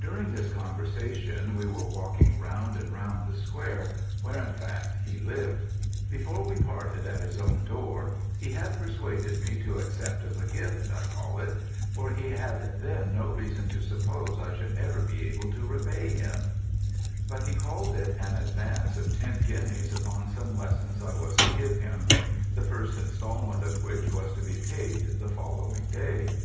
"During this conversation we were walking round and round the square, where in fact he lived. Before we parted at his own door, he had persuaded me to accept of a gift, I call it, for he had then no reason to suppose I should ever be able to repay him, but he called it an advance of ten guineas upon some lessons I was to give him; the first instalment of which was to be paid the following day.